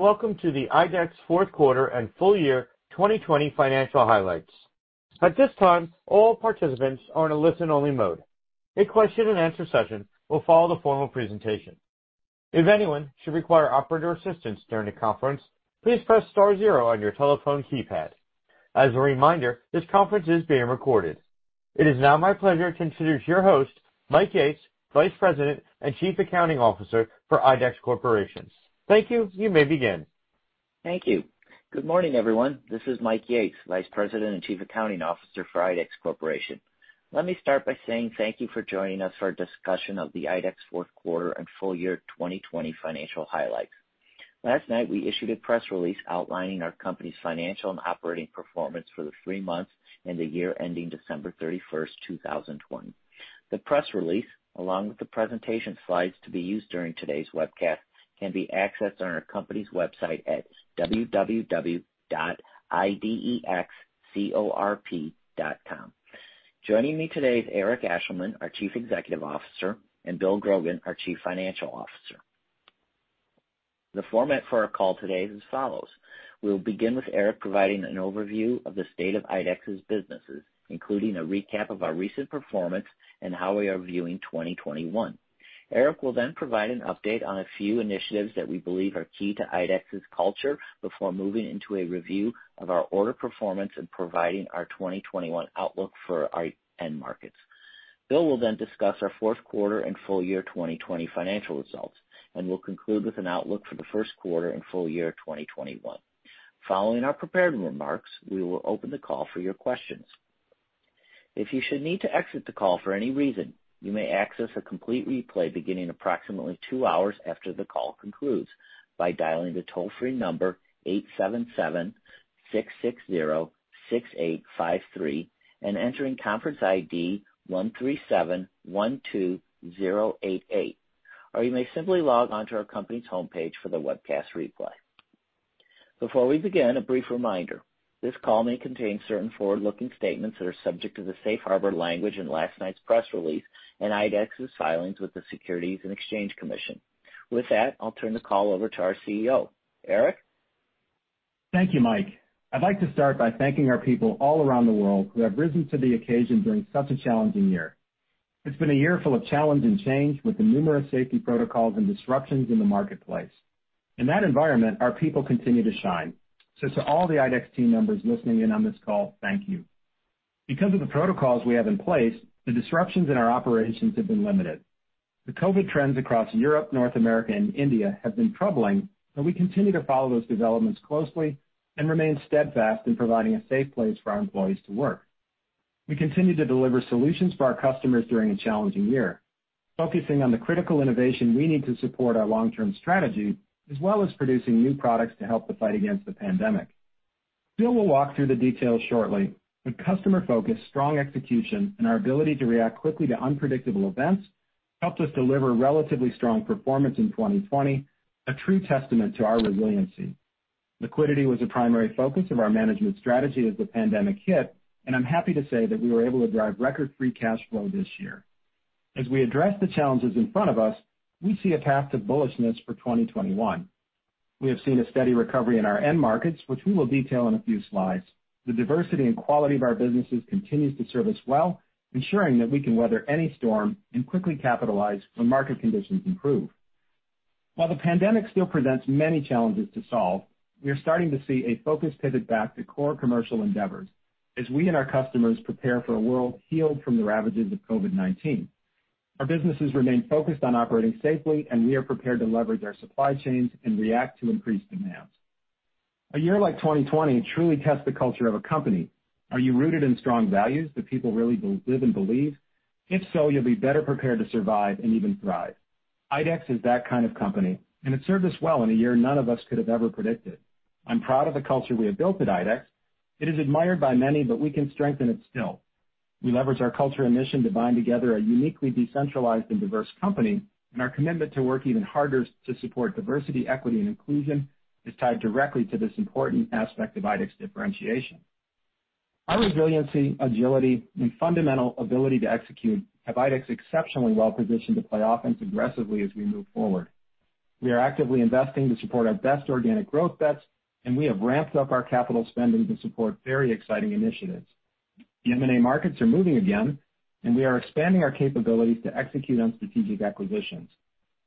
Welcome to the IDEX fourth quarter and full-year 2020 financial highlights. At this time, all participants are in a listen-only mode. A question-and-answer session will follow the formal presentation. If anyone should require operator assistance during the conference, please press star zero on your telephone keypad. As a reminder, this conference is being recorded. It is now my pleasure to introduce your host, Mike Yates, Vice President and Chief Accounting Officer for IDEX Corporation. Thank you. You may begin. Thank you. Good morning, everyone. This is Mike Yates, Vice President and Chief Accounting Officer for IDEX Corporation. Let me start by saying thank you for joining us for a discussion of the IDEX fourth quarter and full-year 2020 financial highlights. Last night, we issued a press release outlining our company's financial and operating performance for the three months and the year ending December 31st, 2021. The press release, along with the presentation slides to be used during today's webcast, can be accessed on our company's website at www.idexcorp.com. Joining me today is Eric Ashleman, our Chief Executive Officer, and Bill Grogan, our Chief Financial Officer. The format for our call today is as follows. We will begin with Eric providing an overview of the state of IDEX's businesses, including a recap of our recent performance and how we are viewing 2021. Eric will provide an update on a few initiatives that we believe are key to IDEX's culture before moving into a review of our order performance and providing our 2021 outlook for our end markets. Bill will discuss our fourth quarter and full-year 2020 financial results, and we'll conclude with an outlook for the first quarter and full-year 2021. Following our prepared remarks, we will open the call for your questions. If you should need to exit the call for any reason, you may access a complete replay beginning approximately two hours after the call concludes by dialing the toll-free number 877-660-6853 and entering conference ID 13712088, or you may simply log on to our company's homepage for the webcast replay. Before we begin, a brief reminder. This call may contain certain forward-looking statements that are subject to the safe harbor language in last night's press release and IDEX's filings with the Securities and Exchange Commission. With that, I'll turn the call over to our CEO. Eric? Thank you, Mike. I'd like to start by thanking our people all around the world who have risen to the occasion during such a challenging year. It's been a year full of challenge and change with the numerous safety protocols and disruptions in the marketplace. In that environment, our people continue to shine. To all the IDEX team members listening in on this call, thank you. Because of the protocols we have in place, the disruptions in our operations have been limited. The COVID trends across Europe, North America, and India have been troubling, and we continue to follow those developments closely and remain steadfast in providing a safe place for our employees to work. We continue to deliver solutions for our customers during a challenging year, focusing on the critical innovation we need to support our long-term strategy, as well as producing new products to help the fight against the pandemic. Bill will walk through the details shortly. Customer focus, strong execution, and our ability to react quickly to unpredictable events helped us deliver relatively strong performance in 2020, a true testament to our resiliency. Liquidity was a primary focus of our management strategy as the pandemic hit. I'm happy to say that we were able to drive record free cash flow this year. As we address the challenges in front of us, we see a path to bullishness for 2021. We have seen a steady recovery in our end markets, which we will detail in a few slides. The diversity and quality of our businesses continues to serve us well, ensuring that we can weather any storm and quickly capitalize when market conditions improve. While the pandemic still presents many challenges to solve, we are starting to see a focus pivot back to core commercial endeavors as we and our customers prepare for a world healed from the ravages of COVID-19. Our businesses remain focused on operating safely, and we are prepared to leverage our supply chains and react to increased demands. A year like 2020 truly tests the culture of a company. Are you rooted in strong values that people really live and believe? If so, you'll be better prepared to survive and even thrive. IDEX is that kind of company, and it served us well in a year none of us could have ever predicted. I'm proud of the culture we have built at IDEX. It is admired by many, we can strengthen it still. We leverage our culture and mission to bind together a uniquely decentralized and diverse company, our commitment to work even harder to support diversity, equity, and inclusion is tied directly to this important aspect of IDEX differentiation. Our resiliency, agility, and fundamental ability to execute have IDEX exceptionally well-positioned to play offense aggressively as we move forward. We are actively investing to support our best organic growth bets, we have ramped up our capital spending to support very exciting initiatives. The M&A markets are moving again, we are expanding our capabilities to execute on strategic acquisitions.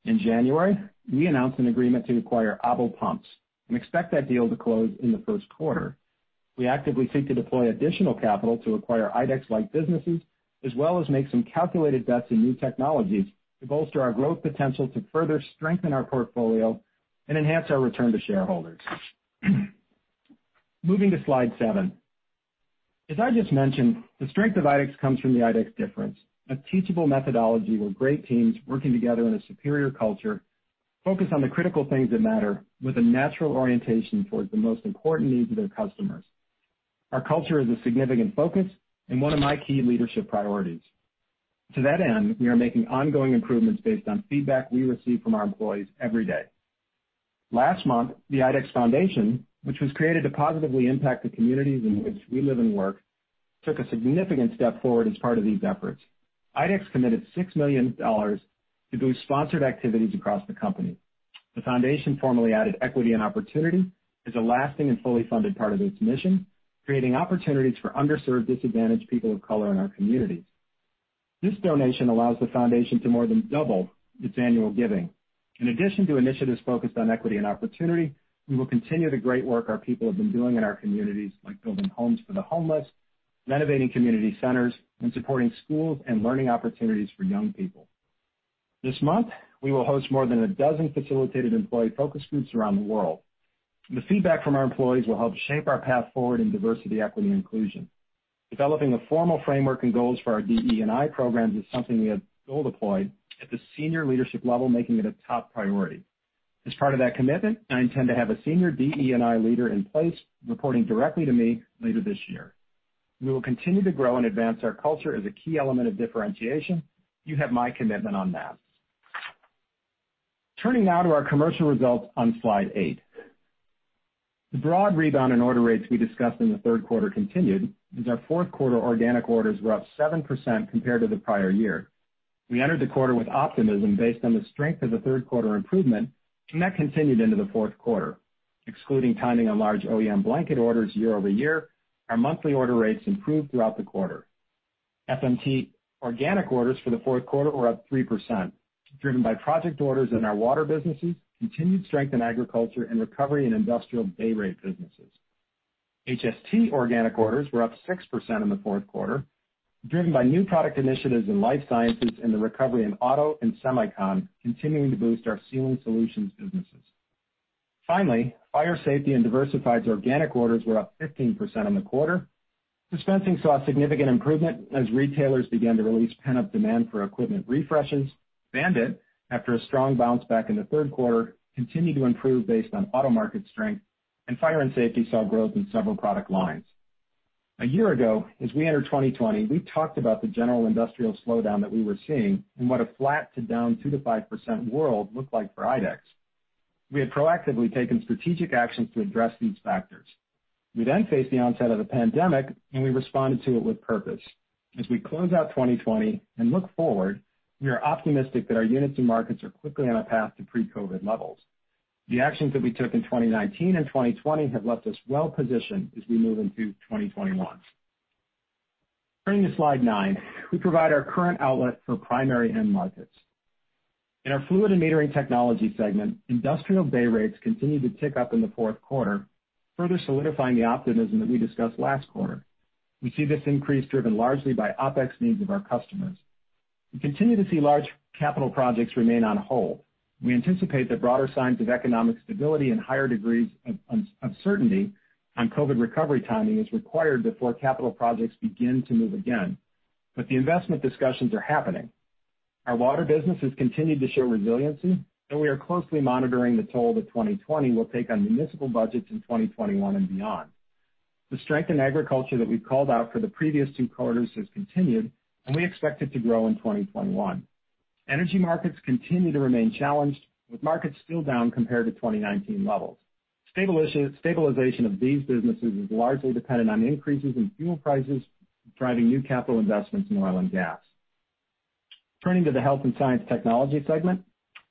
In January, we announced an agreement to acquire ABEL Pumps and expect that deal to close in the first quarter. We actively seek to deploy additional capital to acquire IDEX-like businesses as well as make some calculated bets in new technologies to bolster our growth potential to further strengthen our portfolio and enhance our return to shareholders. Moving to slide seven. As I just mentioned, the strength of IDEX comes from the IDEX difference, a teachable methodology where great teams working together in a superior culture focus on the critical things that matter with a natural orientation towards the most important needs of their customers. Our culture is a significant focus and one of my key leadership priorities. To that end, we are making ongoing improvements based on feedback we receive from our employees every day. Last month, the IDEX Foundation, which was created to positively impact the communities in which we live and work took a significant step forward as part of these efforts. IDEX committed $6 million to boost sponsored activities across the company. The Foundation formally added Equity and Opportunity as a lasting and fully funded part of its mission, creating opportunities for underserved, disadvantaged people of color in our communities. This donation allows the Foundation to more than double its annual giving. In addition to initiatives focused on Equity and Opportunity, we will continue the great work our people have been doing in our communities, like building homes for the homeless, renovating community centers, and supporting schools and learning opportunities for young people. This month, we will host more than a dozen facilitated employee focus groups around the world. The feedback from our employees will help shape our path forward in Diversity, Equity, and Inclusion. Developing a formal framework and goals for our DE&I programs is something we have got deployed at the senior leadership level, making it a top priority. As part of that commitment, I intend to have a Senior DE&I Leader in place reporting directly to me later this year. We will continue to grow and advance our culture as a key element of differentiation. You have my commitment on that. Turning now to our commercial results on slide eight. The broad rebound in order rates we discussed in the third quarter continued, as our fourth quarter organic orders were up 7% compared to the prior year. We entered the quarter with optimism based on the strength of the third quarter improvement, and that continued into the fourth quarter. Excluding timing on large OEM blanket orders year-over-year, our monthly order rates improved throughout the quarter. FMT organic orders for the fourth quarter were up 3%, driven by project orders in our water businesses, continued strength in agriculture, and recovery in industrial day rate businesses. HST organic orders were up 6% in the fourth quarter, driven by new product initiatives in life sciences and the recovery in auto and semicon, continuing to boost our Sealing Solutions businesses. Fire Safety and Diversified organic orders were up 15% in the quarter. Dispensing saw a significant improvement as retailers began to release pent-up demand for equipment refreshes. BAND-IT, after a strong bounce back in the third quarter, continued to improve based on auto market strength, and fire and safety saw growth in several product lines. A year ago, as we entered 2020, we talked about the general industrial slowdown that we were seeing and what a flat to down 2%-5% world looked like for IDEX. We had proactively taken strategic actions to address these factors. We faced the onset of the pandemic, and we responded to it with purpose. As we close out 2020 and look forward, we are optimistic that our units and markets are quickly on a path to pre-COVID levels. The actions that we took in 2019 and 2020 have left us well-positioned as we move into 2021. Turning to slide nine, we provide our current outlook for primary end markets. In our Fluid and Metering Technology segment, industrial day rates continued to tick up in the fourth quarter, further solidifying the optimism that we discussed last quarter. We see this increase driven largely by OPEX needs of our customers. We continue to see large capital projects remain on hold. We anticipate that broader signs of economic stability and higher degrees of uncertainty on COVID recovery timing is required before capital projects begin to move again. The investment discussions are happening. Our Water businesses continued to show resiliency, and we are closely monitoring the toll that 2020 will take on municipal budgets in 2021 and beyond. The strength in agriculture that we've called out for the previous two quarters has continued, and we expect it to grow in 2021. Energy Markets continue to remain challenged, with markets still down compared to 2019 levels. Stabilization of these businesses is largely dependent on increases in fuel prices, driving new capital investments in oil and gas. Turning to the Health and Science Technology segment.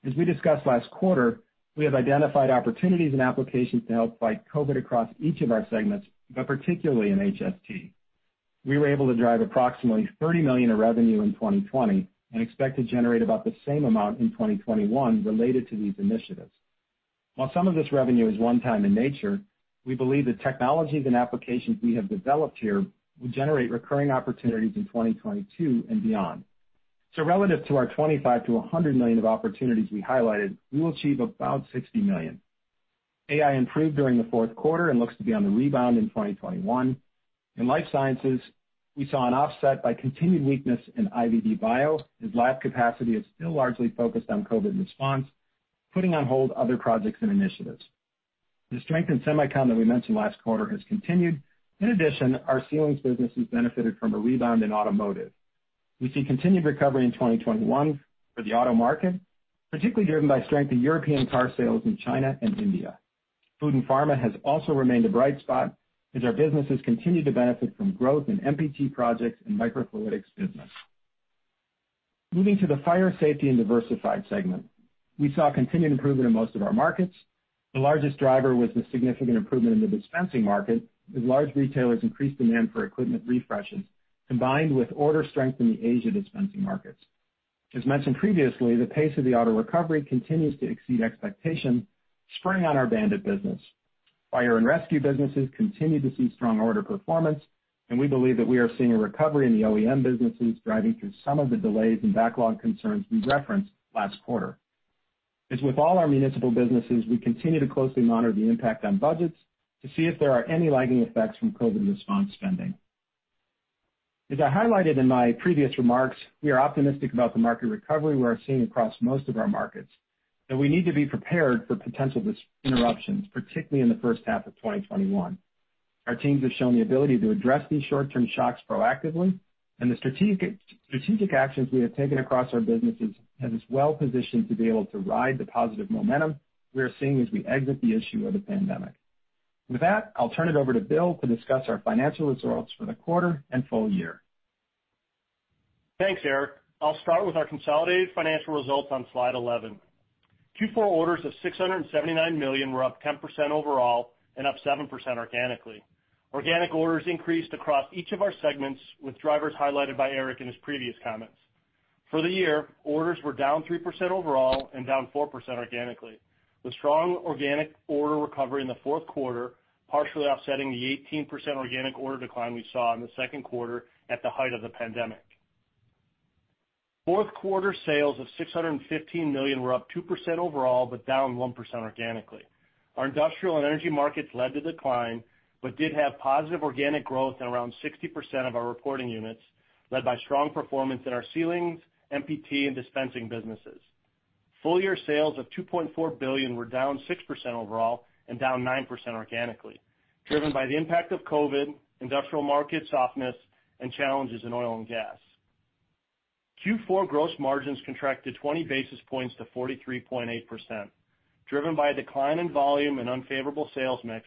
As we discussed last quarter, we have identified opportunities and applications to help fight COVID across each of our segments, but particularly in HST. We were able to drive approximately $30 million of revenue in 2020 and expect to generate about the same amount in 2021 related to these initiatives. While some of this revenue is one-time in nature, we believe the technologies and applications we have developed here will generate recurring opportunities in 2022 and beyond. Relative to our $25 million-$100 million of opportunities we highlighted, we will achieve about $60 million. AI improved during the fourth quarter and looks to be on the rebound in 2021. In life sciences, we saw an offset by continued weakness in IVD/Bio, as lab capacity is still largely focused on COVID response, putting on hold other projects and initiatives. The strength in semi-con that we mentioned last quarter has continued. In addition, our Sealing Solutions business has benefited from a rebound in automotive. We see continued recovery in 2021 for the auto market, particularly driven by strength in European car sales in China and India. Food and Pharma has also remained a bright spot as our businesses continue to benefit from growth in MPT projects and microfluidics business. Moving to the Fire Safety and Diversified segment. We saw continued improvement in most of our markets. The largest driver was the significant improvement in the dispensing market, as large retailers increased demand for equipment refreshes, combined with order strength in the Asia dispensing markets. As mentioned previously, the pace of the auto recovery continues to exceed expectations, springing on our BAND-IT business. Fire and Rescue businesses continue to see strong order performance, and we believe that we are seeing a recovery in the OEM businesses, driving through some of the delays and backlog concerns we referenced last quarter. As with all our municipal businesses, we continue to closely monitor the impact on budgets to see if there are any lagging effects from COVID response spending. As I highlighted in my previous remarks, we are optimistic about the market recovery we are seeing across most of our markets, and we need to be prepared for potential interruptions, particularly in the first half of 2021. Our teams have shown the ability to address these short-term shocks proactively, and the strategic actions we have taken across our businesses have us well-positioned to be able to ride the positive momentum we are seeing as we exit the issue of the pandemic. With that, I'll turn it over to Bill to discuss our financial results for the quarter and full-year. Thanks, Eric. I'll start with our consolidated financial results on slide 11. Q4 orders of $679 million were up 10% overall and up 7% organically. Organic orders increased across each of our segments, with drivers highlighted by Eric in his previous comments. For the year, orders were down 3% overall and down 4% organically, with strong organic order recovery in the fourth quarter partially offsetting the 18% organic order decline we saw in the second quarter at the height of the pandemic. Fourth quarter sales of $615 million were up 2% overall, but down 1% organically. Our Industrial and Energy Markets led to decline, but did have positive organic growth in around 60% of our reporting units, led by strong performance in our Sealing Solutions, MPT, and Dispensing businesses. Full-year sales of $2.4 billion were down 6% overall and down 9% organically, driven by the impact of COVID, industrial market softness, and challenges in oil and gas. Q4 gross margins contracted 20 basis points to 43.8%, driven by a decline in volume and unfavorable sales mix,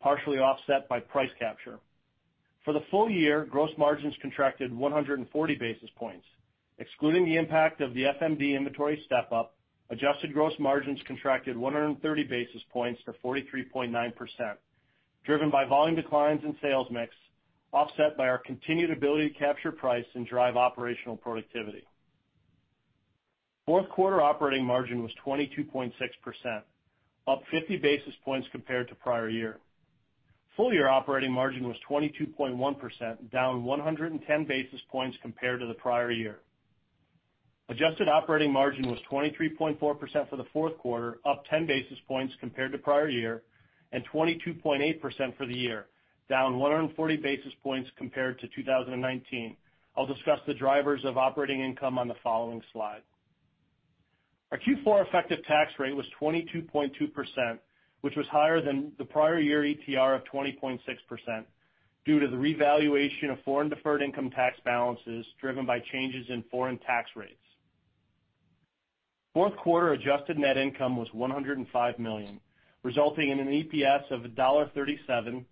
partially offset by price capture. For the full-year, gross margins contracted 140 basis points. Excluding the impact of the FMD inventory step-up, adjusted gross margins contracted 130 basis points to 43.9%, driven by volume declines in sales mix, offset by our continued ability to capture price and drive operational productivity. Fourth quarter operating margin was 22.6%, up 50 basis points compared to prior year. Full-year operating margin was 22.1%, down 110 basis points compared to the prior year. Adjusted operating margin was 23.4% for the fourth quarter, up 10 basis points compared to prior year, and 22.8% for the year, down 140 basis points compared to 2019. I'll discuss the drivers of operating income on the following slide. Our Q4 effective tax rate was 22.2%, which was higher than the prior year ETR of 20.6% due to the revaluation of foreign deferred income tax balances driven by changes in foreign tax rates. Fourth quarter adjusted net income was $105 million, resulting in an EPS of $1.37,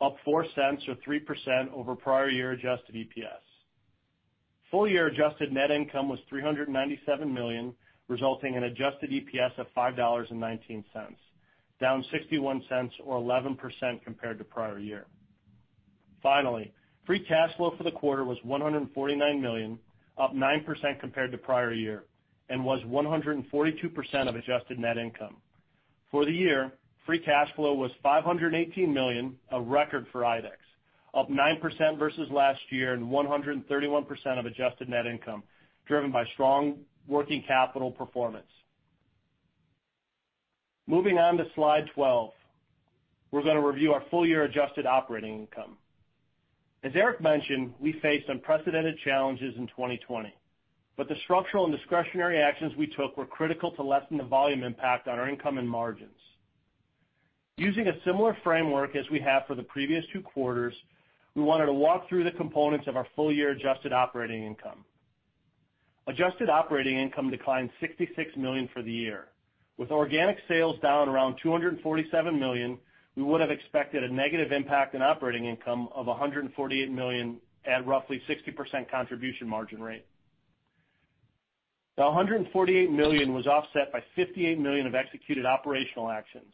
up $0.04 or 3% over prior year adjusted EPS. Full-year adjusted net income was $397 million, resulting in adjusted EPS of $5.19, down $0.61 or 11% compared to prior year. Finally, free cash flow for the quarter was $149 million, up 9% compared to prior year, and was 142% of adjusted net income. For the year, free cash flow was $518 million, a record for IDEX, up 9% versus last year and 131% of adjusted net income, driven by strong working capital performance. Moving on to slide 12, we're going to review our full-year adjusted operating income. As Eric mentioned, we faced unprecedented challenges in 2020, the structural and discretionary actions we took were critical to lessen the volume impact on our income and margins. Using a similar framework as we have for the previous two quarters, we wanted to walk through the components of our full-year adjusted operating income. Adjusted operating income declined $66 million for the year. With organic sales down around $247 million, we would have expected a negative impact in operating income of $148 million at a roughly 60% contribution margin rate. The $148 million was offset by $58 million of executed operational actions,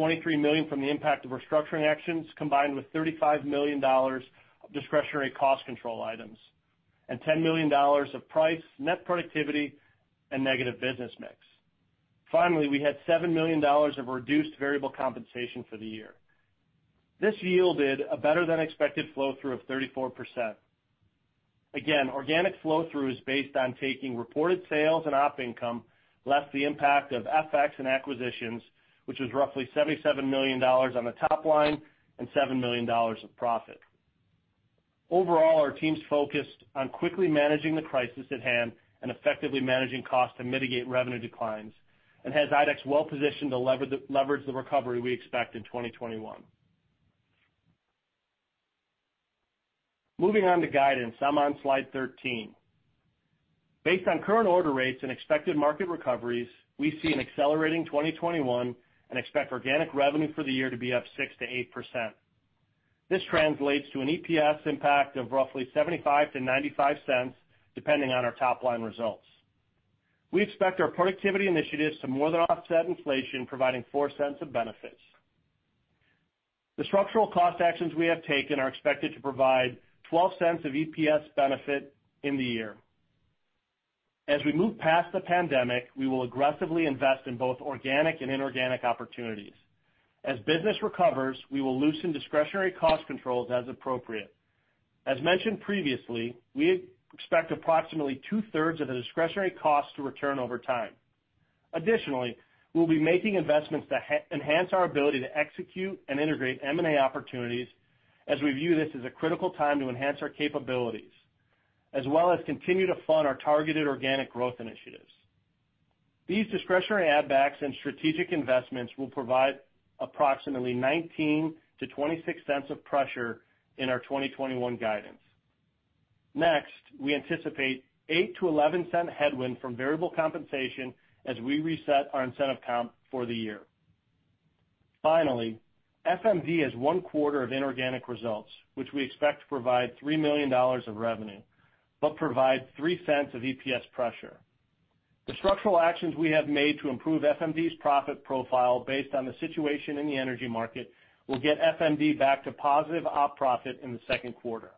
$23 million from the impact of restructuring actions, combined with $35 million of discretionary cost control items, and $10 million of price, net productivity, and negative business mix. We had $7 million of reduced variable compensation for the year. This yielded a better-than-expected flow-through of 34%. Again, organic flow-through is based on taking reported sales and op income less the impact of FX and acquisitions, which was roughly $77 million on the top line and $7 million of profit. Overall, our teams focused on quickly managing the crisis at hand and effectively managing costs to mitigate revenue declines and has IDEX well positioned to leverage the recovery we expect in 2021. Moving on to guidance. I'm on slide 13. Based on current order rates and expected market recoveries, we see an accelerating 2021 and expect organic revenue for the year to be up 6%-8%. This translates to an EPS impact of roughly $0.75-$0.95, depending on our top-line results. We expect our productivity initiatives to more than offset inflation, providing $0.04 of benefits. The structural cost actions we have taken are expected to provide $0.12 of EPS benefit in the year. As we move past the pandemic, we will aggressively invest in both organic and inorganic opportunities. As business recovers, we will loosen discretionary cost controls as appropriate. As mentioned previously, we expect approximately two-thirds of the discretionary cost to return over time. Additionally, we'll be making investments to enhance our ability to execute and integrate M&A opportunities as we view this as a critical time to enhance our capabilities, as well as continue to fund our targeted organic growth initiatives. These discretionary add backs and strategic investments will provide approximately $0.19-$0.26 of pressure in our 2021 guidance. Next, we anticipate $0.08-$0.11 headwind from variable compensation as we reset our incentive comp for the year. Finally, FMD has one quarter of inorganic results, which we expect to provide $3 million of revenue, but provide $0.03 of EPS pressure. The structural actions we have made to improve FMD's profit profile based on the situation in the energy market will get FMD back to positive op profit in the second quarter.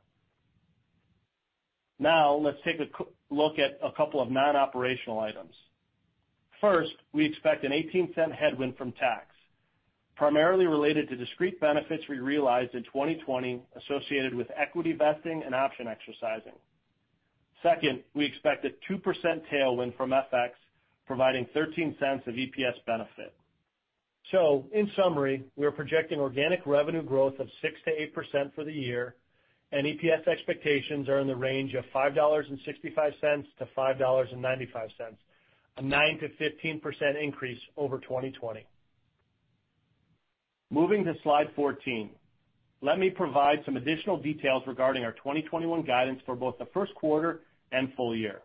Now let's take a look at a couple of non-operational items. First, we expect an $0.18 headwind from tax, primarily related to discrete benefits we realized in 2020 associated with equity vesting and option exercising. Second, we expect a 2% tailwind from FX, providing $0.13 of EPS benefit. In summary, we are projecting organic revenue growth of 6%-8% for the year, and EPS expectations are in the range of $5.65-$5.95, a 9%-15% increase over 2020. Moving to slide 14. Let me provide some additional details regarding our 2021 guidance for both the first quarter and full-year.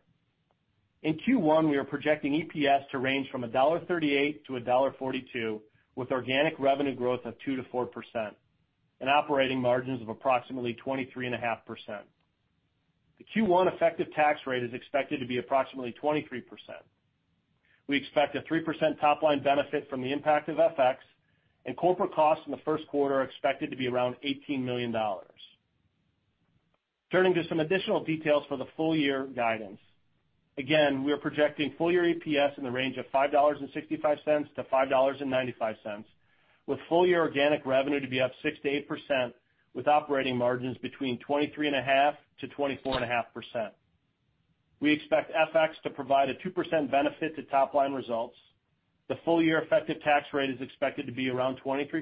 In Q1, we are projecting EPS to range from $1.38-$1.42, with organic revenue growth of 2%-4%, and operating margins of approximately 23.5%. The Q1 effective tax rate is expected to be approximately 23%. We expect a 3% top-line benefit from the impact of FX. Corporate costs in the first quarter are expected to be around $18 million. Turning to some additional details for the full-year guidance. We are projecting full-year EPS in the range of $5.65-$5.95, with full-year organic revenue to be up 6%-8%, with operating margins between 23.5%-24.5%. We expect FX to provide a 2% benefit to top-line results. The full-year effective tax rate is expected to be around 23%.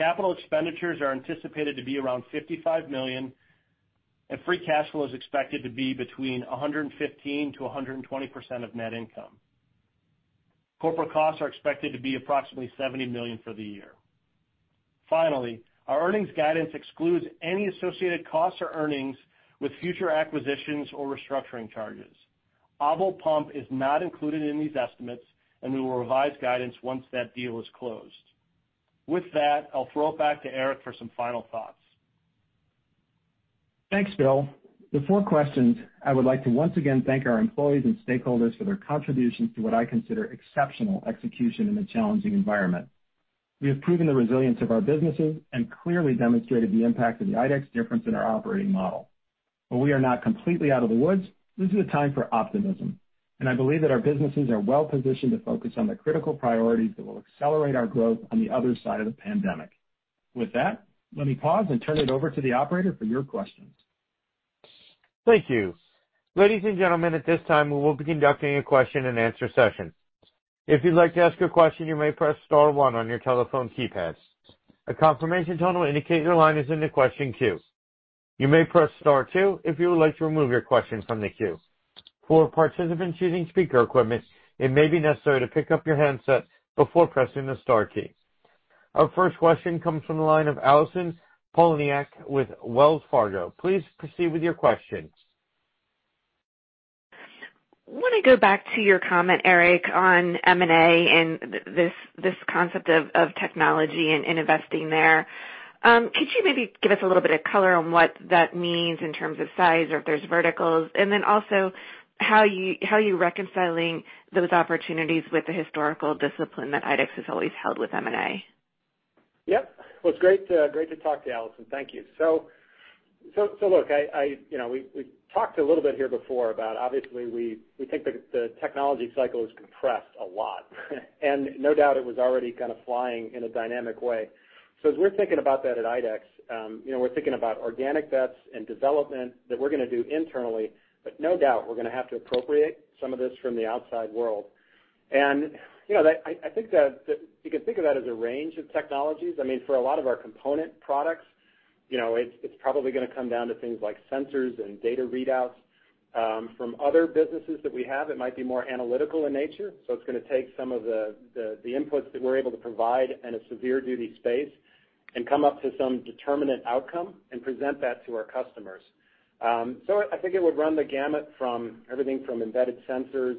Capital expenditures are anticipated to be around $55 million, and free cash flow is expected to be between 115%-120% of net income. Corporate costs are expected to be approximately $70 million for the year. Finally, our earnings guidance excludes any associated costs or earnings with future acquisitions or restructuring charges. ABEL Pumps is not included in these estimates, and we will revise guidance once that deal is closed. With that, I'll throw it back to Eric for some final thoughts. Thanks, Bill. Before questions, I would like to once again thank our employees and stakeholders for their contributions to what I consider exceptional execution in a challenging environment. We have proven the resilience of our businesses and clearly demonstrated the impact of the IDEX difference in our operating model. While we are not completely out of the woods, this is a time for optimism, and I believe that our businesses are well-positioned to focus on the critical priorities that will accelerate our growth on the other side of the pandemic. With that, let me pause and turn it over to the operator for your questions. Thank you. Ladies and gentlemen, at this time, we will be conducting a question-and-answer session. Our first question comes from the line of Allison Poliniak with Wells Fargo. Please proceed with your questions. I want to go back to your comment, Eric, on M&A and this concept of technology and investing there. Could you maybe give us a little bit of color on what that means in terms of size or if there's verticals? Also, how are you reconciling those opportunities with the historical discipline that IDEX has always held with M&A? Yep. Well, it's great to talk to you, Allison. Thank you. Look, we talked a little bit here before about obviously, we think the technology cycle is compressed a lot. No doubt it was already kind of flying in a dynamic way. As we're thinking about that at IDEX, we're thinking about organic bets and development that we're going to do internally, but no doubt we're going to have to appropriate some of this from the outside world. I think that you can think of that as a range of technologies. For a lot of our component products, it's probably going to come down to things like sensors and data readouts. From other businesses that we have, it might be more analytical in nature, so it's going to take some of the inputs that we're able to provide in a severe duty space and come up to some determinant outcome and present that to our customers. I think it would run the gamut from everything from embedded sensors,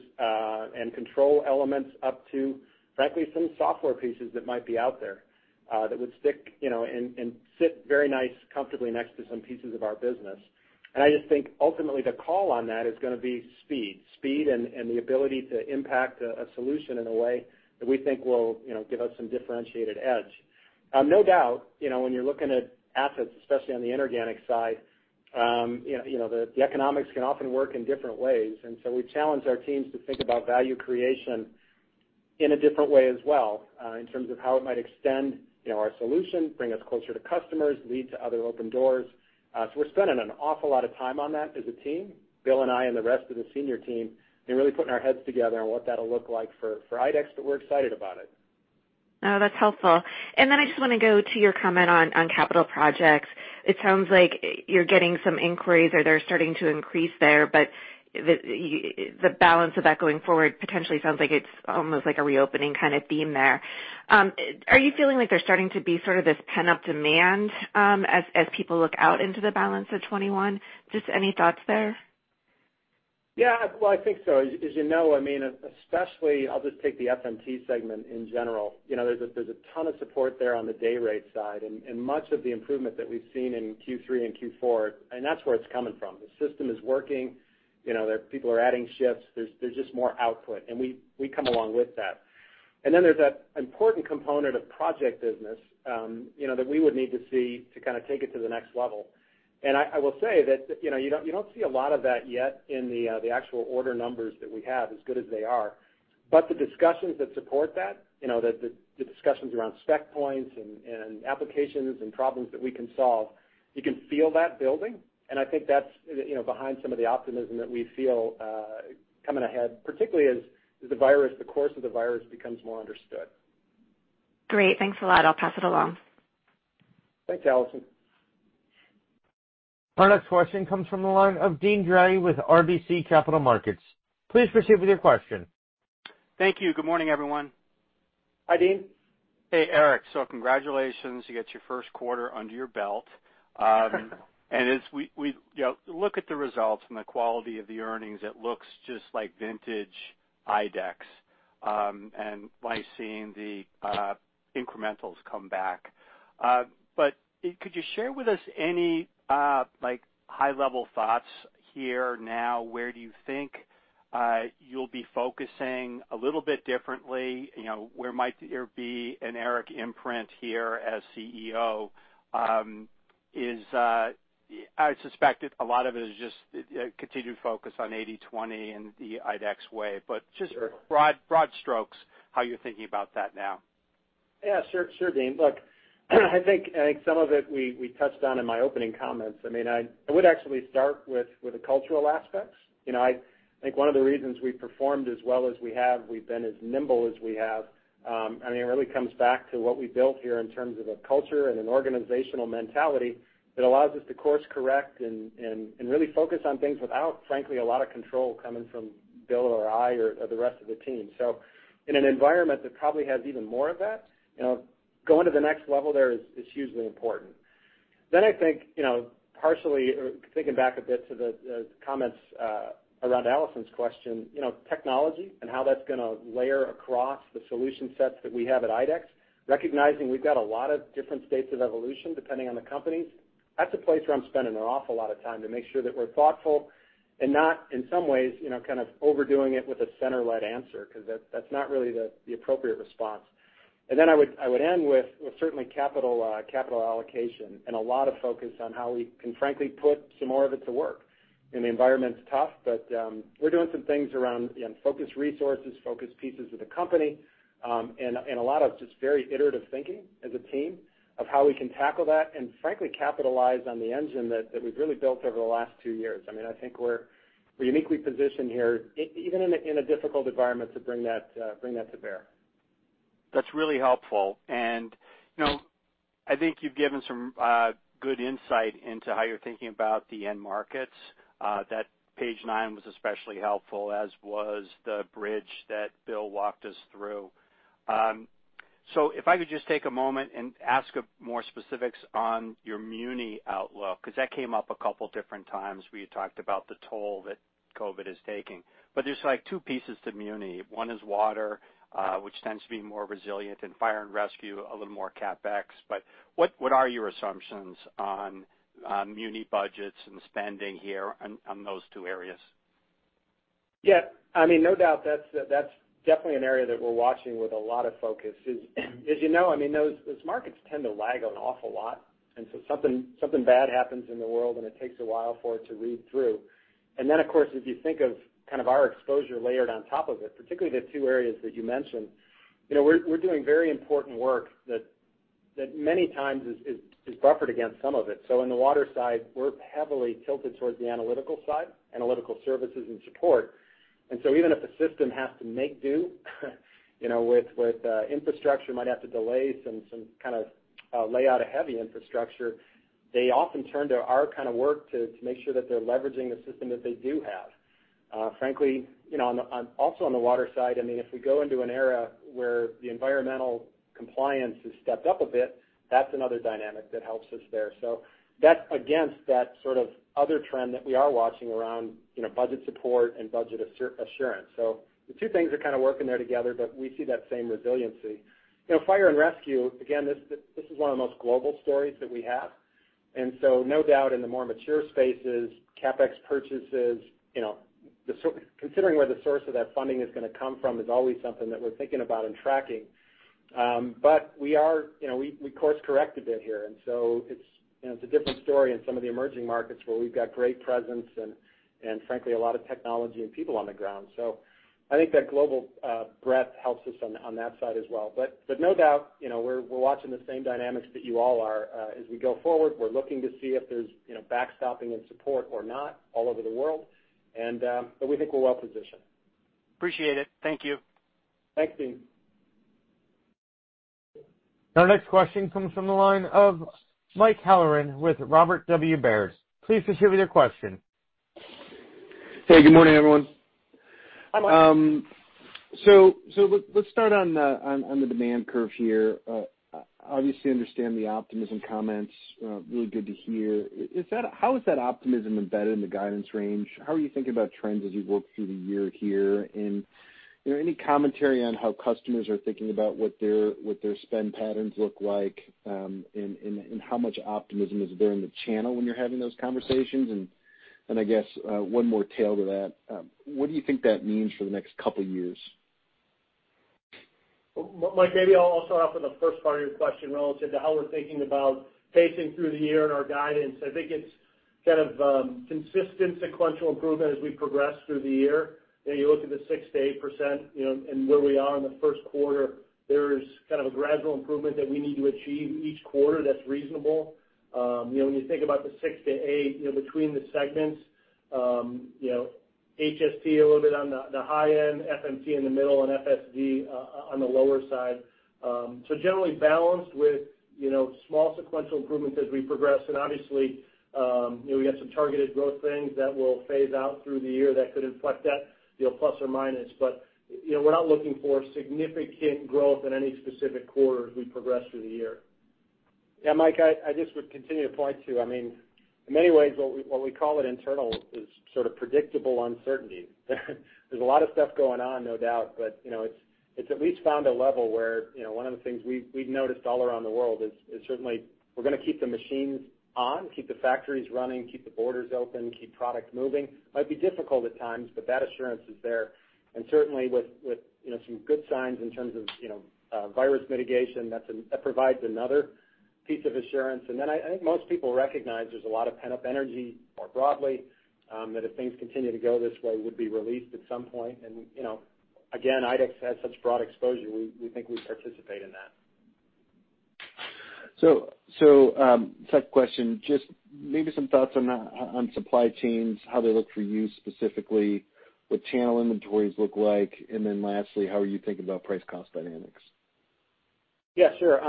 and control elements up to frankly, some software pieces that might be out there, that would stick and sit very nice comfortably next to some pieces of our business. I just think ultimately the call on that is going to be speed. Speed and the ability to impact a solution in a way that we think will give us some differentiated edge. No doubt, when you're looking at assets, especially on the inorganic side, the economics can often work in different ways. We challenge our teams to think about value creation in a different way as well, in terms of how it might extend our solution, bring us closer to customers, lead to other open doors. We're spending an awful lot of time on that as a team, Bill and I and the rest of the senior team, and really putting our heads together on what that'll look like for IDEX, but we're excited about it. Oh, that's helpful. I just want to go to your comment on capital projects. It sounds like you're getting some inquiries or they're starting to increase there, the balance of that going forward potentially sounds like it's almost like a reopening kind of theme there. Are you feeling like there's starting to be sort of this pent-up demand as people look out into the balance of 2021? Just any thoughts there? Yeah. Well, I think so. As you know, especially, I'll just take the FMT segment in general. There's a ton of support there on the day rate side and much of the improvement that we've seen in Q3 and Q4, and that's where it's coming from. The system is working, people are adding shifts, there's just more output, and we come along with that. There's that important component of project business that we would need to see to kind of take it to the next level. I will say that you don't see a lot of that yet in the actual order numbers that we have, as good as they are. The discussions that support that, the discussions around spec points and applications and problems that we can solve, you can feel that building. I think that's behind some of the optimism that we feel coming ahead, particularly as the course of the virus becomes more understood. Great. Thanks a lot. I'll pass it along. Thanks, Allison. Our next question comes from the line of Deane Dray with RBC Capital Markets. Please proceed with your question. Thank you. Good morning, everyone. Hi, Deane. Hey, Eric. Congratulations. You got your first quarter under your belt. As we look at the results and the quality of the earnings, it looks just like vintage IDEX, and by seeing the incrementals come back. Could you share with us any high-level thoughts here now, where do you think you'll be focusing a little bit differently? Where might there be an Eric imprint here as CEO? I suspect a lot of it is just continued focus on 80/20 and the IDEX way. Sure. Just broad strokes, how you're thinking about that now? Sure, Deane. Look, I think some of it we touched on in my opening comments. I would actually start with the cultural aspects. I think one of the reasons we've performed as well as we have, we've been as nimble as we have, it really comes back to what we built here in terms of a culture and an organizational mentality that allows us to course correct and really focus on things without, frankly, a lot of control coming from Bill or I or the rest of the team. In an environment that probably has even more of that, going to the next level there is hugely important. I think, partially thinking back a bit to the comments around Allison's question, technology and how that's going to layer across the solution sets that we have at IDEX, recognizing we've got a lot of different states of evolution depending on the companies. That's a place where I'm spending an awful lot of time to make sure that we're thoughtful and not, in some ways, kind of overdoing it with a center-led answer, because that's not really the appropriate response. I would end with, certainly capital allocation and a lot of focus on how we can frankly put some more of it to work. The environment's tough, but we're doing some things around focused resources, focused pieces of the company, and a lot of just very iterative thinking as a team of how we can tackle that and frankly capitalize on the engine that we've really built over the last two years. I think we're uniquely positioned here, even in a difficult environment, to bring that to bear. That's really helpful. I think you've given some good insight into how you're thinking about the end markets. That page nine was especially helpful, as was the bridge that Bill walked us through. If I could just take a moment and ask more specifics on your muni outlook, because that came up a couple different times where you talked about the toll that COVID is taking. There's two pieces to muni. One is Water, which tends to be more resilient, and Fire and Rescue, a little more CapEx. What are your assumptions on muni budgets and spending here on those two areas? No doubt, that's definitely an area that we're watching with a lot of focus. As you know, those markets tend to lag an awful lot. Something bad happens in the world, and it takes a while for it to read through. Then, of course, as you think of our exposure layered on top of it, particularly the two areas that you mentioned, we're doing very important work that many times is buffered against some of it. On the Water side, we're heavily tilted towards the analytical side, analytical services and support. Even if the system has to make do with infrastructure, might have to delay some kind of layout of heavy infrastructure, they often turn to our kind of work to make sure that they're leveraging the system that they do have. Frankly, also on the Water side, if we go into an era where the environmental compliance is stepped up a bit, that's another dynamic that helps us there. That's against that sort of other trend that we are watching around budget support and budget assurance. The two things are kind of working there together, but we see that same resiliency. Fire and Rescue, again, this is one of the most global stories that we have. No doubt in the more mature spaces, CapEx purchases. Considering where the source of that funding is going to come from is always something that we're thinking about and tracking. We course-corrected it here, and so it's a different story in some of the emerging markets where we've got great presence and frankly, a lot of technology and people on the ground. I think that global breadth helps us on that side as well. No doubt, we're watching the same dynamics that you all are. As we go forward, we're looking to see if there's backstopping and support or not all over the world. We think we're well positioned. Appreciate it. Thank you. Thanks, Deane. Our next question comes from the line of Mike Halloran with Robert W. Baird. Please proceed with your question. Hey, good morning, everyone. Hi, Mike. Let's start on the demand curve here. Obviously understand the optimism comments, really good to hear. How is that optimism embedded in the guidance range? How are you thinking about trends as you work through the year here? Any commentary on how customers are thinking about what their spend patterns look like, and how much optimism is there in the channel when you're having those conversations? I guess, one more tail to that, what do you think that means for the next couple years? Mike, maybe I'll start off with the first part of your question relative to how we're thinking about pacing through the year and our guidance. I think it's kind of consistent sequential improvement as we progress through the year. You look at the 6%-8%, and where we are in the first quarter. There's a gradual improvement that we need to achieve each quarter that's reasonable. When you think about the 6%-8% between the segments, HST a little bit on the high-end, FMT in the middle, and FSD on the lower side. Generally balanced with small sequential improvements as we progress. Obviously, we've got some targeted growth things that will phase out through the year that could inflect that, plus or minus. We're not looking for significant growth in any specific quarter as we progress through the year. Yeah, Mike, I just would continue to point to, in many ways, what we call it internal is sort of predictable uncertainty. There's a lot of stuff going on, no doubt, but it's at least found a level where one of the things we've noticed all around the world is certainly we're going to keep the machines on, keep the factories running, keep the borders open, keep product moving. Might be difficult at times, but that assurance is there. Certainly with some good signs in terms of COVID mitigation, that provides another piece of assurance. Then I think most people recognize there's a lot of pent-up energy more broadly, that if things continue to go this way, would be released at some point. Again, IDEX has such broad exposure. We think we participate in that. Second question, just maybe some thoughts on supply chains, how they look for you specifically, what channel inventories look like, and then lastly, how are you thinking about price-cost dynamics? Yeah, sure.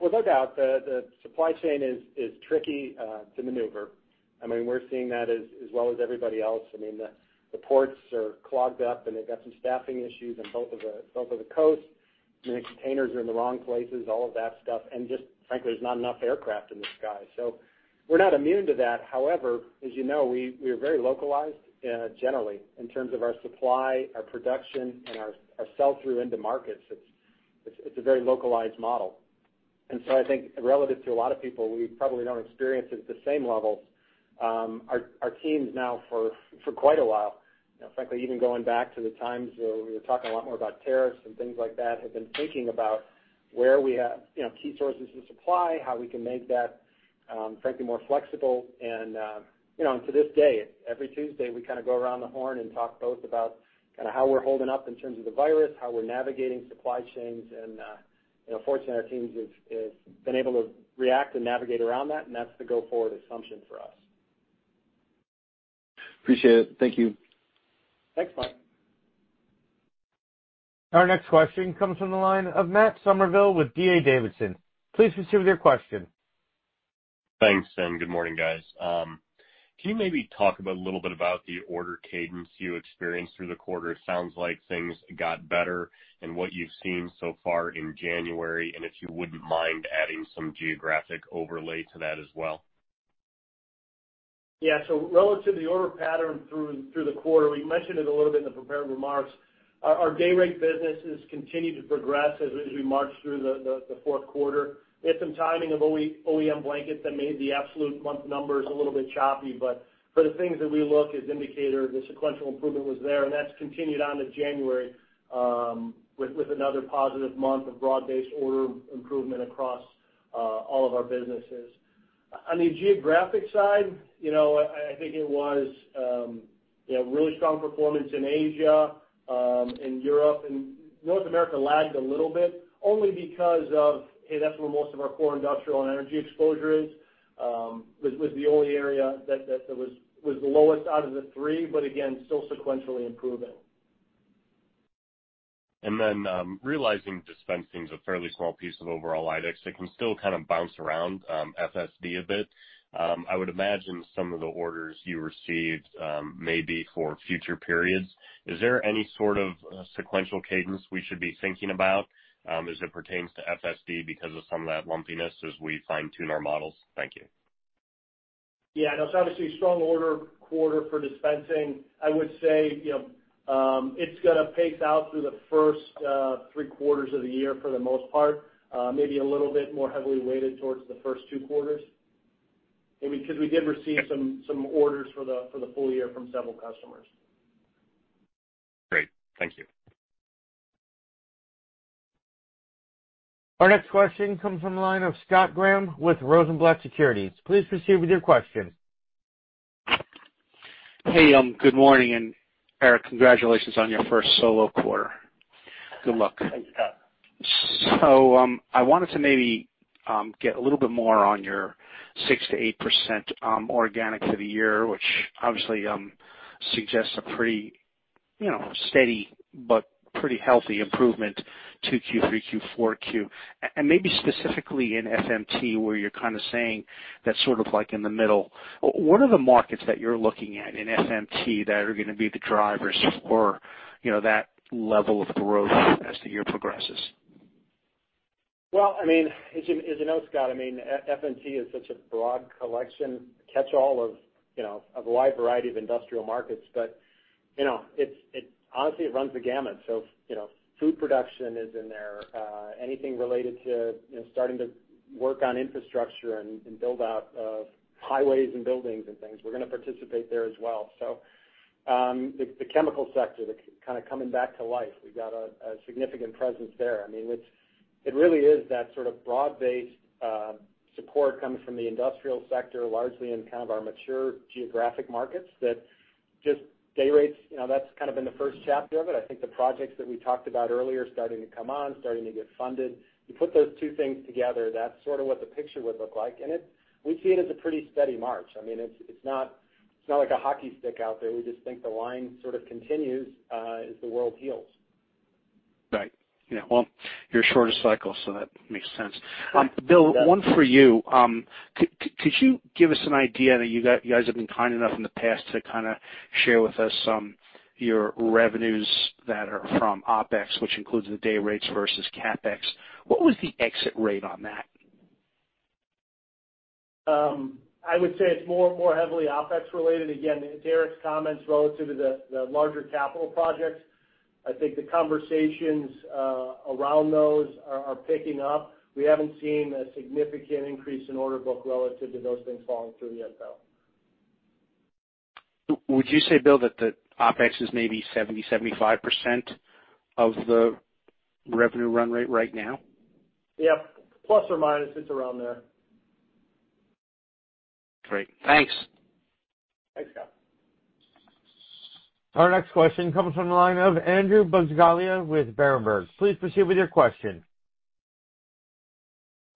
Without doubt, the supply chain is tricky to maneuver. We're seeing that as well as everybody else. The ports are clogged up, and they've got some staffing issues on both of the coasts. Many containers are in the wrong places, all of that stuff. Just frankly, there's not enough aircraft in the sky. We're not immune to that. However, as you know, we are very localized, generally, in terms of our supply, our production, and our sell-through into markets. It's a very localized model. I think relative to a lot of people, we probably don't experience it at the same levels. Our teams now for quite a while, frankly, even going back to the times where we were talking a lot more about tariffs and things like that, have been thinking about where we have key sources of supply, how we can make that, frankly, more flexible. To this day, every Tuesday, we go around the horn and talk both about how we're holding up in terms of the virus, how we're navigating supply chains, and fortunately, our teams have been able to react and navigate around that, and that's the go-forward assumption for us. Appreciate it. Thank you. Thanks, Mike. Our next question comes from the line of Matt Summerville with D.A. Davidson. Please proceed with your question. Thanks. Good morning, guys. Can you maybe talk a little bit about the order cadence you experienced through the quarter? It sounds like things got better, and what you've seen so far in January, and if you wouldn't mind adding some geographic overlay to that as well. Relative to the order pattern through the quarter, we mentioned it a little bit in the prepared remarks. Our day rate business has continued to progress as we marched through the fourth quarter. We had some timing of OEM blankets that made the absolute month numbers a little bit choppy, but for the things that we look as indicator, the sequential improvement was there, and that's continued on to January with another positive month of broad-based order improvement across all of our businesses. On the Geographic side, I think it was really strong performance in Asia, in Europe, and North America lagged a little bit only because of, hey, that's where most of our core industrial and energy exposure is. Was the only area that was the lowest out of the three, again, still sequentially improving. Realizing dispensing's a fairly small piece of overall IDEX, it can still kind of bounce around FSD a bit. I would imagine some of the orders you received may be for future periods. Is there any sort of sequential cadence we should be thinking about as it pertains to FSD because of some of that lumpiness as we fine-tune our models? Thank you. Yeah, no, it's obviously a strong order quarter for dispensing. I would say it's going to pace out through the first three quarters of the year for the most part. Maybe a little bit more heavily weighted towards the first two quarters. Maybe because we did receive some orders for the full-year from several customers. Great. Thank you. Our next question comes from the line of Scott Graham with Rosenblatt Securities. Please proceed with your question. Hey, good morning, and Eric, congratulations on your first solo quarter. Good luck. Thank you, Scott. I wanted to maybe get a little bit more on your 6%-8% organic for the year, which obviously suggests a pretty steady but pretty healthy improvement, 2Q, 3Q, 4Q. Maybe specifically in FMT, where you're saying that's sort of in the middle. What are the markets that you're looking at in FMT that are going to be the drivers for that level of growth as the year progresses? Well, as you know, Scott, FMT is such a broad collection, a catchall of a wide variety of industrial markets. Honestly, it runs the gamut. Food production is in there. Anything related to starting to work on infrastructure and build out of highways and buildings and things, we're going to participate there as well. The chemical sector that's kind of coming back to life, we've got a significant presence there. It really is that sort of broad-based support coming from the industrial sector, largely in kind of our mature geographic markets that just day rates, that's kind of been the first chapter of it. I think the projects that we talked about earlier are starting to come on, starting to get funded. You put those two things together, that's sort of what the picture would look like, and we see it as a pretty steady march. It's not like a hockey stick out there. We just think the line sort of continues as the world heals. Right. Yeah. Well, you're shorter cycle, so that makes sense. Yeah. Bill, one for you. Could you give us an idea that you guys have been kind enough in the past to kind of share with us your revenues that are from OPEX, which includes the day rates versus CapEx. What was the exit rate on that? I would say it's more heavily OPEX related. Again, Eric's comments relative to the larger capital projects. I think the conversations around those are picking up. We haven't seen a significant increase in order book relative to those things falling through yet, though. Would you say, Bill, that the OpEx is maybe 70%, 75% of the revenue run rate right now? Yep. Plus or minus, it's around there. Great. Thanks. Thanks, Scott. Our next question comes from the line of Andrew Buscaglia with Berenberg. Please proceed with your question.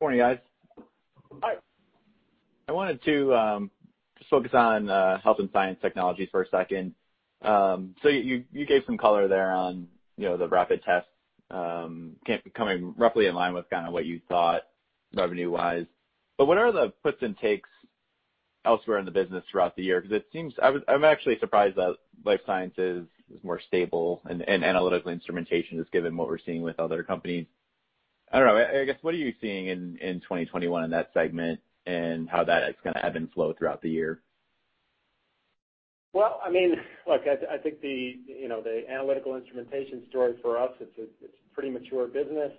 Morning, guys. Hi. I wanted to just focus on Health and Science Technologies for a second. You gave some color there on the rapid tests coming roughly in line with kind of what you thought revenue wise. What are the puts and takes elsewhere in the business throughout the year? Because it seems, I'm actually surprised that Life Sciences is more stable and Analytical Instrumentation, just given what we're seeing with other companies. I don't know. I guess, what are you seeing in 2021 in that segment and how that ebb and flow throughout the year? Well, look, I think the Analytical Instrumentation story for us, it's a pretty mature business.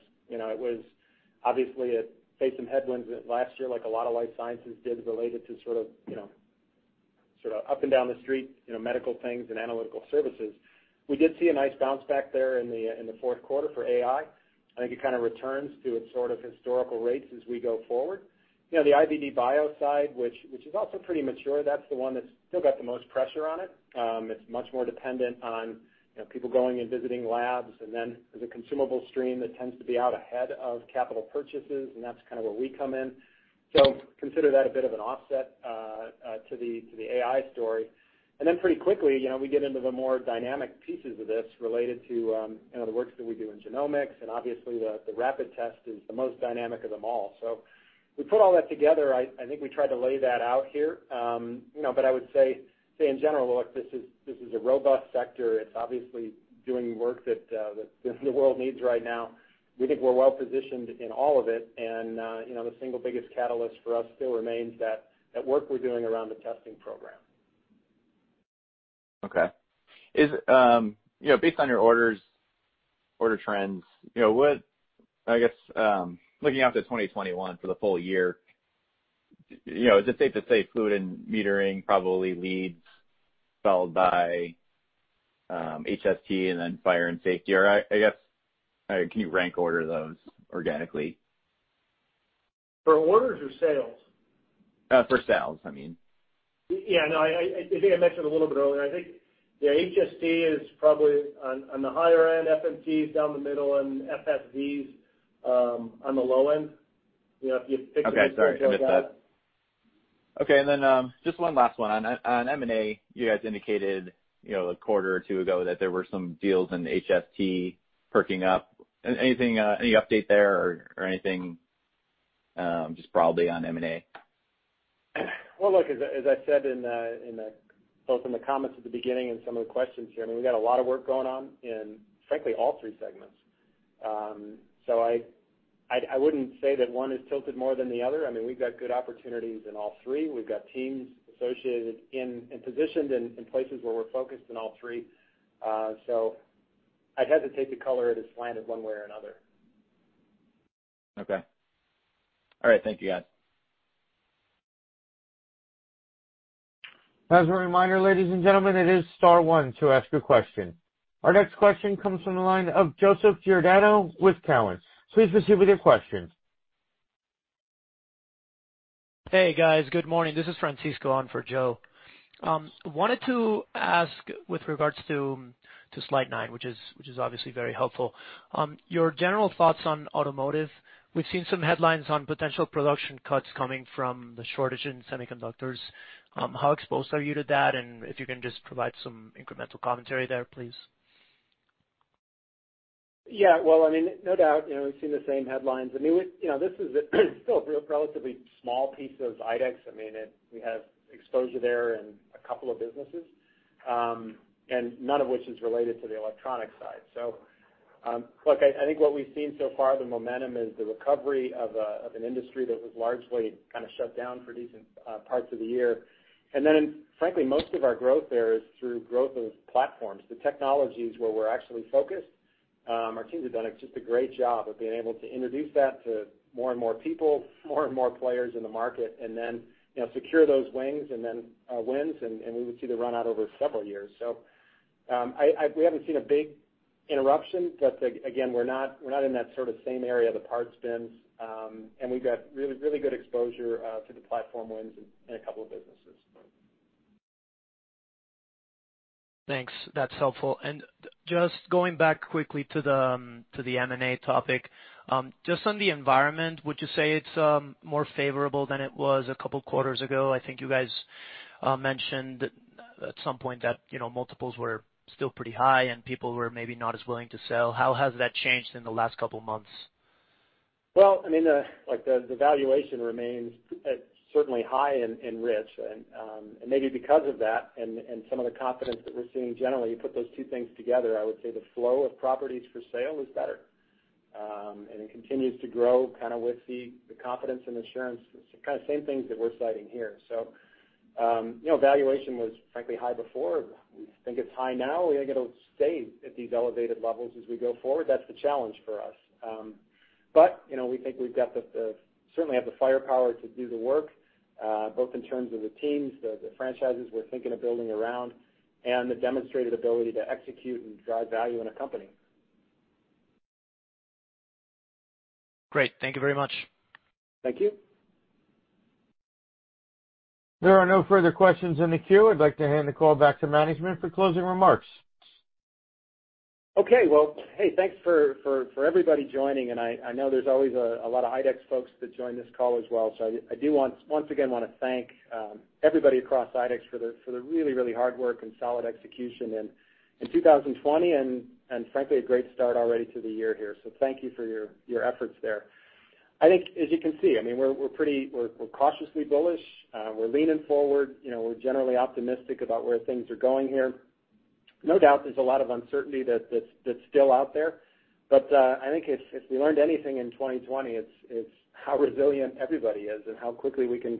Obviously it faced some headwinds last year, like a lot of life sciences did, related to sort of up and down the street medical things and analytical services. We did see a nice bounce back there in the fourth quarter for AI. I think it kind of returns to its sort of historical rates as we go forward. The IVD/Bio side, which is also pretty mature, that's the one that's still got the most pressure on it. It's much more dependent on people going and visiting labs, and then there's a consumable stream that tends to be out ahead of capital purchases, and that's kind of where we come in. Consider that a bit of an offset to the AI story. Pretty quickly, we get into the more dynamic pieces of this related to the work that we do in genomics, and obviously the rapid test is the most dynamic of them all. We put all that together. I think we tried to lay that out here. I would say in general, look, this is a robust sector. It's obviously doing work that the world needs right now. We think we're well positioned in all of it, and the single biggest catalyst for us still remains that work we're doing around the testing program. Okay. Based on your orders, order trends, I guess looking out to 2021 for the full-year, is it safe to say fluid and metering probably leads, followed by HST and then fire and safety, or I guess, can you rank order those organically? For orders or sales? For sales, I mean. Yeah, no, I think I mentioned a little bit earlier, I think the HST is probably on the higher-end, FMT is down the middle, and FSD is on the low-end. Okay, sorry, I missed that. Okay, then just one last one. On M&A, you guys indicated a quarter or two ago that there were some deals in HST perking up. Any update there or anything just broadly on M&A? Well, look, as I said both in the comments at the beginning and some of the questions here, we've got a lot of work going on in, frankly, all three segments. I wouldn't say that one is tilted more than the other. We've got good opportunities in all three. We've got teams associated and positioned in places where we're focused in all three. I'd hesitate to color it as slanted one way or another. Okay. All right. Thank you, guys. As a reminder, ladies and gentlemen, it is star one to ask a question. Our next question comes from the line of Joseph Giordano with Cowen. Please proceed with your question. Hey, guys. Good morning. This is Francisco on for Joe. I wanted to ask with regards to slide nine, which is obviously very helpful. Your general thoughts on automotive. We've seen some headlines on potential production cuts coming from the shortage in semiconductors. How exposed are you to that? If you can just provide some incremental commentary there, please. Yeah. Well, no doubt, we've seen the same headlines. This is still a real relatively small piece of IDEX. We have exposure there in a couple of businesses, none of which is related to the electronic side. Look, I think what we've seen so far, the momentum is the recovery of an industry that was largely shut down for decent parts of the year. Frankly, most of our growth there is through growth of platforms, the technologies where we're actually focused. Our teams have done just a great job of being able to introduce that to more and more people, more and more players in the market, secure those wins, we would see the run out over several years. We haven't seen a big interruption, again, we're not in that same area of the parts bins. We've got really good exposure to the platform wins in a couple of businesses. Thanks. That's helpful. Just going back quickly to the M&A topic. Just on the environment, would you say it's more favorable than it was a couple of quarters ago? I think you guys mentioned at some point that multiples were still pretty high, and people were maybe not as willing to sell. How has that changed in the last couple of months? Well, the valuation remains certainly high and rich. Maybe because of that and some of the confidence that we're seeing generally, you put those two things together, I would say the flow of properties for sale is better. It continues to grow with the confidence and assurance, kind of same things that we're citing here. Valuation was frankly high before. We think it's high now. We think it'll stay at these elevated levels as we go forward. That's the challenge for us. We think we certainly have the firepower to do the work, both in terms of the teams, the franchises we're thinking of building around, and the demonstrated ability to execute and drive value in a company. Great. Thank you very much. Thank you. There are no further questions in the queue. I'd like to hand the call back to management for closing remarks. Okay. Well, hey, thanks for everybody joining, and I know there's always a lot of IDEX folks that join this call as well. I do once again want to thank everybody across IDEX for the really, really hard work and solid execution in 2020, and frankly, a great start already to the year here. Thank you for your efforts there. I think, as you can see, we're cautiously bullish. We're leaning forward. We're generally optimistic about where things are going here. No doubt, there's a lot of uncertainty that's still out there. I think if we learned anything in 2020, it's how resilient everybody is and how quickly we can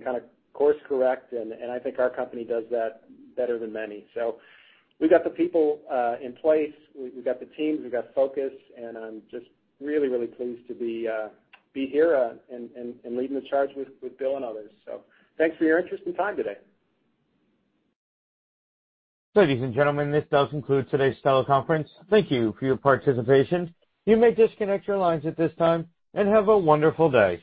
course correct, and I think our company does that better than many. We've got the people in place, we've got the teams, we've got focus, and I'm just really, really pleased to be here and leading the charge with Bill and others. Thanks for your interest and time today. Ladies and gentlemen, this does conclude today's teleconference. Thank you for your participation. You may disconnect your lines at this time, and have a wonderful day.